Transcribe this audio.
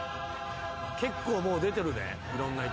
結構もう出てるでいろんな人。